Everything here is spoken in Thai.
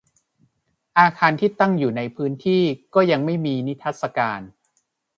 อาคารที่ตั้งอยู่ในพื้นที่ก็ยังไม่มีนิทรรศการ